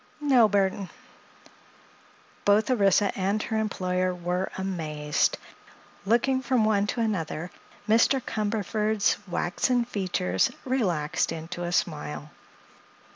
"No, Burthon." Both Orissa and her employer were amazed. Looking from one to another, Mr. Cumberford's waxen features relaxed into a smile.